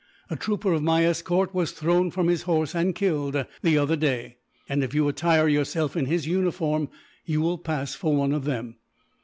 A trooper of my escort was thrown from his horse, and killed, the other day; and if you attire yourself in his uniform, you will pass for one of them.